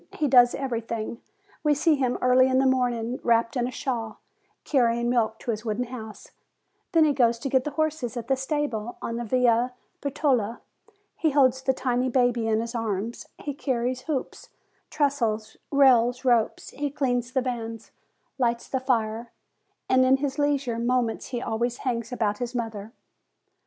He does everything. We see him early in the morning, wrapped in a shawl, carrying milk to his wooden house; then he goes to get the horses at the stable on the Via Bertola. He holds the tiny baby in his arms; he carries hoops, trestles, rails, ropes; he cleans the vans, lights the fire, and in his leisure moments he always hangs about his mother.